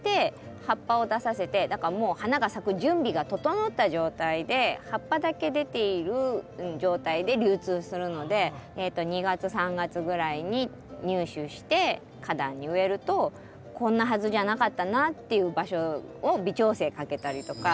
だからもう花が咲く準備が整った状態で葉っぱだけ出ている状態で流通するので２月３月ぐらいに入手して花壇に植えるとこんなはずじゃなかったなっていう場所を微調整かけたりとか。